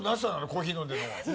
コーヒー飲んでるのが。